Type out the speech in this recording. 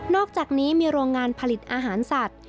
อกจากนี้มีโรงงานผลิตอาหารสัตว์